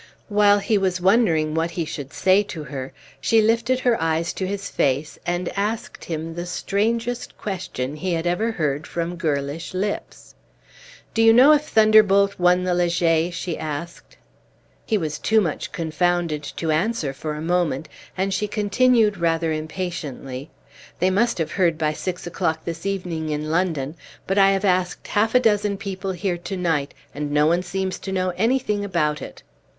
While he was wondering what he should say to her, she lifted her eyes to his face, and asked him the strangest question he had ever heard from girlish lips. "Do you know if Thunderbolt won the Leger?" she asked. He was too much confounded to answer for a moment, and she continued rather impatiently, "They must have heard by six o'clock this evening in London; but I have asked half a dozen people here to night, and no one seems to know anything about it."